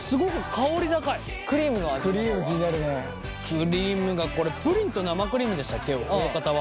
クリームがこれプリンと生クリームでしたっけおおかたは？